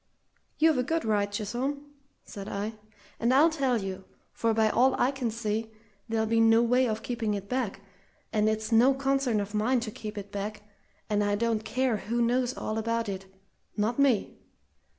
"You've a good right, Chisholm," said I; "and I'll tell you, for by all I can see, there'll be no way of keeping it back, and it's no concern of mine to keep it back, and I don't care who knows all about it not me!